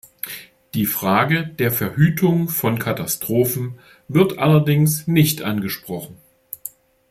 Die Frage der Verhütung von Katastrophen wird allerdings nicht angesprochen.